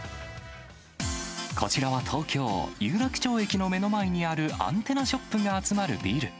こちらは東京・有楽町駅の目の前にあるアンテナショップが集まるビル。